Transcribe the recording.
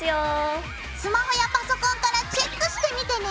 スマホやパソコンからチェックしてみてね！